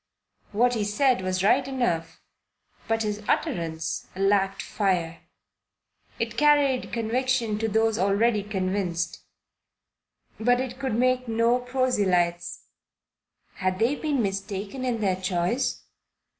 What he said was right enough, but his utterance lacked fire. It carried conviction to those already convinced; but it could make no proselytes. Had they been mistaken in their choice?